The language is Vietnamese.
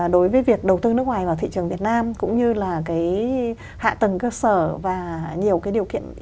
đối với việc đầu tư nước ngoài vào thị trường việt nam cũng như là cái hạ tầng cơ sở và nhiều cái điều kiện